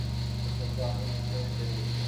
শেষ পর্যন্ত আমি নিশ্চয়ই সেরে উঠব।